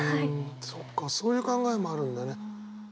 そっかそういう考えもあるんだね。